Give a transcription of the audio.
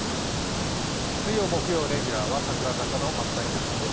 水曜・木曜レギュラーは櫻坂４６の松田里奈さんです。